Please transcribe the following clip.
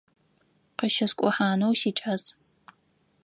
Къыщыскӏухьанэу сикӏас.